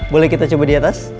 boleh kita coba di atas